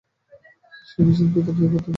সেই বিশ্বাসই ভিতরের দেবত্ব জাগ্রত করে।